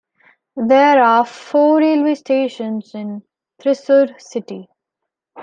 There are four railway stations in Thrissur city.